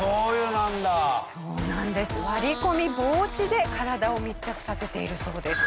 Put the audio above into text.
割り込み防止で体を密着させているそうです。